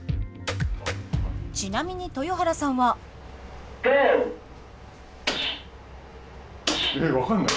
ちなみに、豊原さんは。えっ、分かんない。